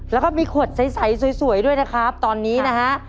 แล้วก็มีขดใสสวยด้วยนะครับตอนนี้นะฮะ